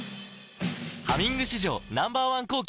「ハミング」史上Ｎｏ．１抗菌